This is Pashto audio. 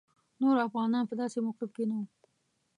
نور افغانان په داسې موقف کې نه وو.